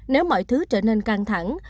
nếu mọi thứ trở nên căng thẳng